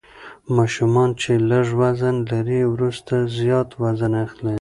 ماشومان چې لږ وزن لري وروسته زیات وزن اخلي.